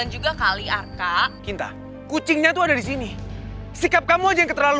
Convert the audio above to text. buka pintunya naura